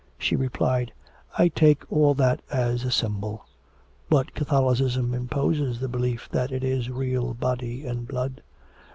She replied: 'I take all that as a symbol.' 'But Catholicism imposes the belief that it is the real Body and Blood.'